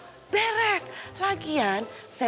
sampe cuman bro risen dah